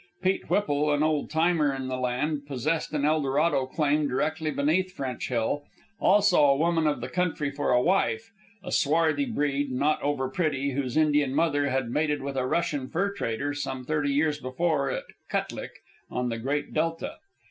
Pete Whipple, an old timer in the land, possessed an Eldorado claim directly beneath French Hill, also a woman of the country for a wife, a swarthy breed, not over pretty, whose Indian mother had mated with a Russian fur trader some thirty years before at Kutlik on the Great Delta.